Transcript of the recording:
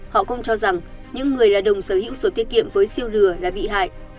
họ cũng cho rằng những người là đồng sở hữu số tiết kiệm với siêu lửa là bị hại